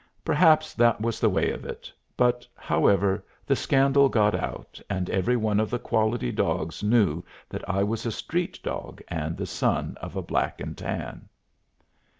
Perhaps that was the way of it, but, however, the scandal got out, and every one of the quality dogs knew that I was a street dog and the son of a black and tan.